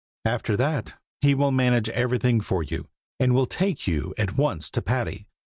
"After that he will manage everything for you, and will take you at once to Patty.